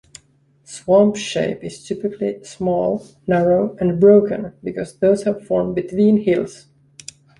Swamps shape is typically small, narrow and broken because those have formed betveen hills.